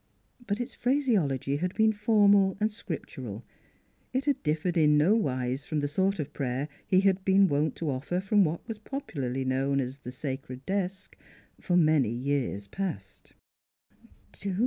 But its phrase ology had been formal and scriptural, it had differed in no wise from the sort of prayer he had been wont to offer from what was popu larly known as " the sacred desk " for many years past.